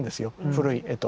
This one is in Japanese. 古い絵と。